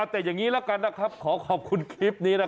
แต่อย่างนี้ละกันนะครับขอขอบคุณคลิปนี้